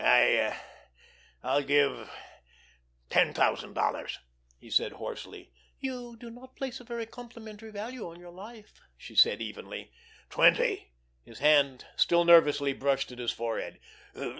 "I—I'll give—ten thousand dollars," he said hoarsely. "You do not place a very complimentary value on your life," she said evenly. "Twenty." His hand still nervously brushed at his forehead.